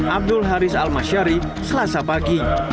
abdul haris almasyari selasa pagi